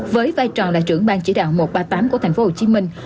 với vai trò là trưởng bang chỉ đạo một trăm ba mươi tám của thành phố hồ chí minh